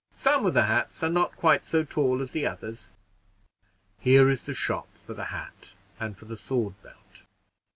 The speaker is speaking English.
"Some of the hats are not quite so tall as the others." "Here is the shop for the hat and for the sword belt."